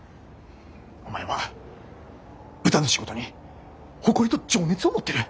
お前は豚の仕事に誇りと情熱を持ってる！